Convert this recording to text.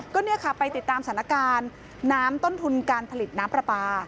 ก็เนี่ยค่ะไปติดตามสถานการณ์น้ำต้นทุนการผลิตน้ำปลาปลา